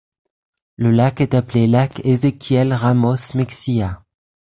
Le lac est appelé lac Ezequiel Ramos Mexía.